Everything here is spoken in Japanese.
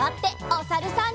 おさるさん。